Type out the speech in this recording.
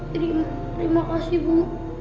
terima kasih bu